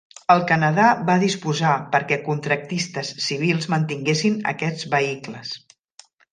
El Canadà va disposar perquè contractistes civils mantinguessin aquests vehicles.